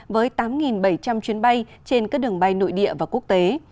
với tám bảy trăm linh chuyến bay trên các đường bay nội địa và quốc tế